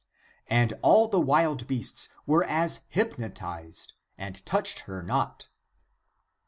And all the wild beasts were as hypnotized and touched her not.